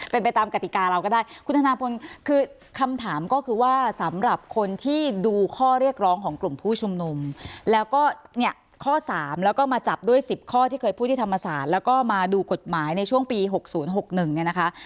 เป็นไปตามกติกาเราก็ได้คุณธนาพลคือคำถามก็คือว่าสำหรับคนที่ดูข้อเรียกร้องของกลุ่มผู้ชุมนุมแล้วก็เนี่ยข้อ๓แล้วก็มาจับด้วย๑๐ข้อที่เคยพูดที่ธรรมศาสตร์แล้วก็มาดูกฎหมายในช่วงปี๖๐๖๑เนี่ยนะคะ